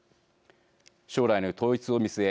将来の統一を見据え